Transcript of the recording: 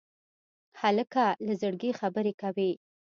هلک له زړګي خبرې کوي.